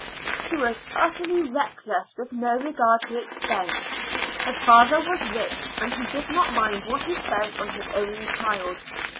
She was utterly reckless with regard to expense. Her father was rich, and he did not mind what he spent on his only child.